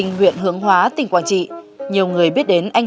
cứu mang người dân